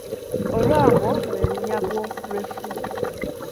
Olwango lwe lunyago lw’effumu.